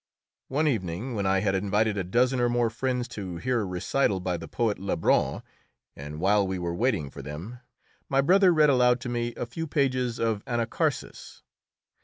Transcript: One evening, when I had invited a dozen or more friends to hear a recital by the poet Lebrun, and while we were waiting for them, my brother read aloud to me a few pages of "Anacharsis."